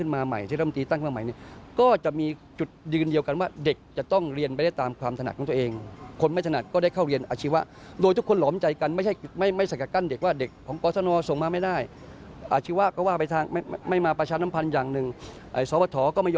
ไม่มีตัวร่วมต่างคนต่างกระทรรภ์ในพื้นที่จังหวัด